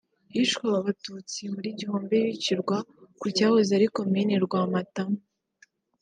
Hishwe abatutsi muri Gihombo bicirwa ku cyahoze ari Komine Rwamatamu